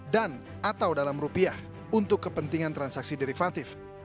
dan atau dalam rupiah untuk kepentingan transaksi derivatif